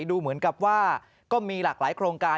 ดูเหมือนกับว่าก็มีหลากหลายโครงการ